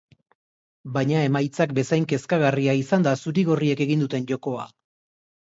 Baina emaitzak bezain kezkagarria izan da zuri-gorriek egin duten jokoa.